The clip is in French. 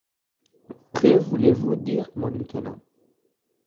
Que voulez-vous dire, mon lieutenant ?